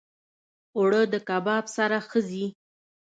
اوړه د کباب سره ښه ځي